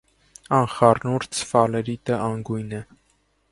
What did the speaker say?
Անխառնուրդ սֆալերիտը անգույն է։